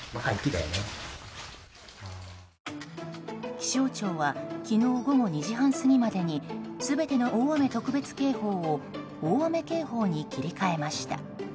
気象庁は昨日午後２時半過ぎまでに全ての大雨特別警報を大雨警報に切り替えました。